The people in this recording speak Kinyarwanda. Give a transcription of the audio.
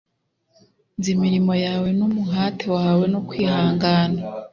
nzi imirimo yawe n umuhati wawe no kwihangana